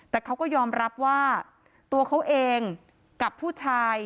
แต่เขาก็ยอมรับว่าตัวเขาเองกับผู้ชาย